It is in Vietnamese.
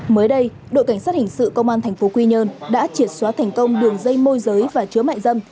mới đây đội cảnh sát hình sự công an tp quy nhơn đã triệt xóa thành công đường dây môi giới và chứa mại dâm